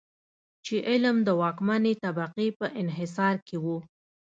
چې علم د واکمنې طبقې په انحصار کې و.